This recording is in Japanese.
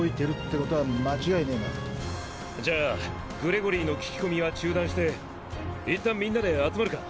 じゃあグレゴリーの聞き込みは中断して一旦みんなで集まるか？